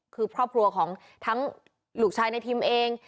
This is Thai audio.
คือครอบครัวของทั้งลูกชายในทิมเอง